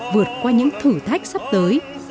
vượt qua những thử thách sắp tới